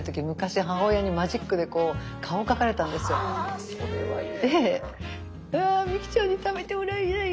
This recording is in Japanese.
あそれはいい。